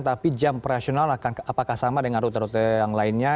tapi jam operasional apakah sama dengan rute rute yang lainnya